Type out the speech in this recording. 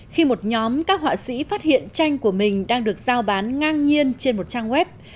khi một nhóm các họa sĩ phát hiện tranh của mình đang được giao bán ngang nhiên trên một trang web